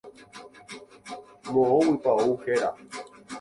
Moõguipa ou héra.